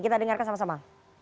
kita dengarkan sama sama